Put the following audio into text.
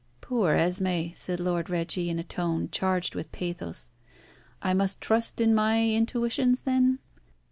"Poor Esmé," said Lord Reggie, in a tone charged with pathos, "I must trust in my intuitions, then?"